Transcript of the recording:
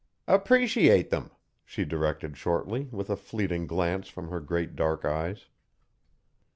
"Appreciate them," she directed shortly with a fleeting glance from her great dark eyes.